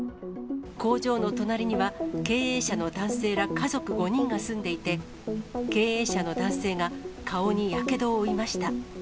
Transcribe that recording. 工場の隣には、経営者の男性ら家族５人が住んでいて、経営者の男性が顔にやけどを負いました。